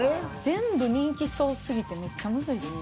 全部人気そうすぎてめっちゃむずいです。